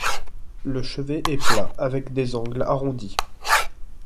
Le chevet est plat avec des angles arrondis.